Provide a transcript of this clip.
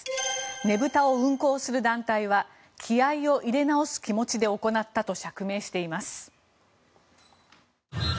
ねぶたを運行する団体は気合を入れ直す気持ちで行ったと釈明しています。